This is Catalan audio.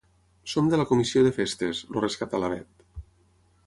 Som de la comissió de festes —el rescatà la Bet.